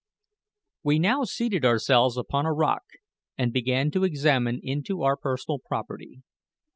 We now seated ourselves upon a rock, and began to examine into our personal property.